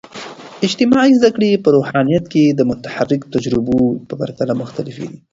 اجتماعي زده کړې په روحانيات کې د متحرک تجربو په پرتله مختلفې دي.